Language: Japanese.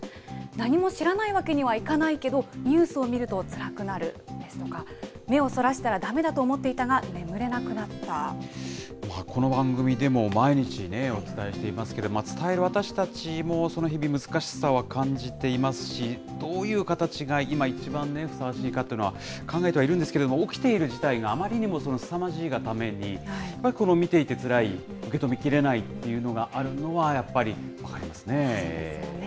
何も知らないわけにはいかないけど、ニュースを見るとつらくなるですとか、目をそらしたらだめだこの番組でも毎日お伝えしていますけれども、伝える私たちもその難しさを感じていますし、どういう形が今、いちばんね、ふさわしいかっていうのは考えているんですけれども、起きている事態があまりにもすさまじいがために、この見ていてつらい、受け止めきれないっていうのがあるのはやっぱり分かりますそうですよね。